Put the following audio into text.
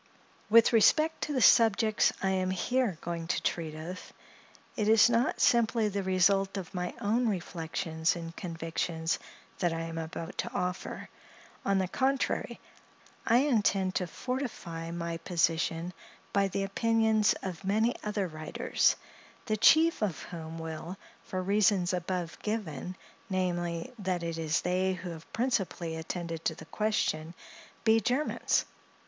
With respect to the subjects I am here going to treat of, it is not simply the result of my own reflections and convictions that I am about to offer. On the contrary, I intend to fortify my position by the opinions of many other writers; the chief of whom will, for the reasons above given, namely, that it is they who have principally attended to the question, be Germans.